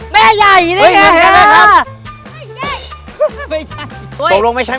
แม่ใหญ่ครับเจอแล้ว